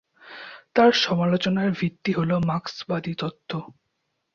তার সমালোচনার ভিত্তি হল মার্কসবাদী তত্ত্ব।